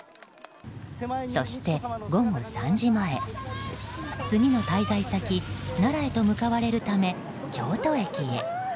そして、午後３時前次の滞在先奈良へと向かわれるため京都駅へ。